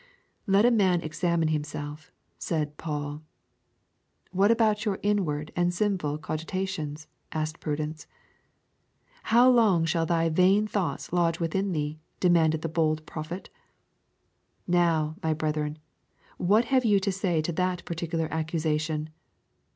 Let a man examine himself, said Paul. What about your inward and sinful cogitations? asked Prudence. How long shall thy vain thoughts lodge within thee? demanded the bold prophet. Now, my brethren, what have you to say to that particular accusation?